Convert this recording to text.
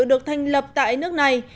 được thành lập tại nước này